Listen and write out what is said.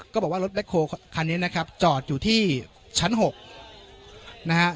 ก็บอกว่ารถแบ็คโฮลคันนี้นะครับจอดอยู่ที่ชั้น๖นะฮะ